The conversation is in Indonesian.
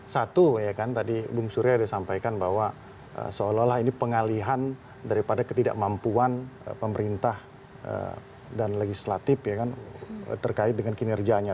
satu tadi bung surya sudah sampaikan bahwa seolah olah ini pengalihan daripada ketidakmampuan pemerintah dan legislatif terkait dengan kinerjanya